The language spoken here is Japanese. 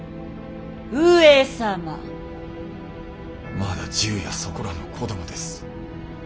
まだ１０やそこらの子どもです。